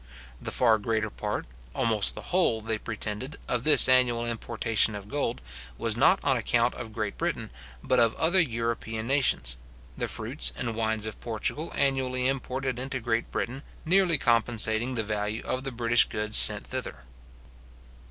The far greater part, almost the whole, they pretended, of this annual importation of gold, was not on account of Great Britain, but of other European nations; the fruits and wines of Portugal annually imported into Great Britain nearly compensating the value of the British goods sent thither.